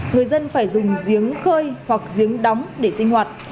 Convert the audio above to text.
người dân phải dùng giếng khơi hoặc giếng đóng để sinh hoạt